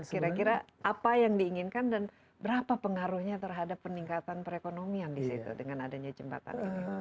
kira kira apa yang diinginkan dan berapa pengaruhnya terhadap peningkatan perekonomian di situ dengan adanya jembatan ini